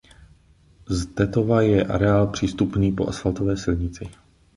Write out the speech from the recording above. Z Tetova je areál přístupný po asfaltové silnici.